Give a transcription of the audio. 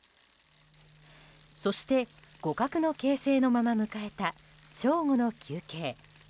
そして、互角の形勢のまま迎えた正午の休憩。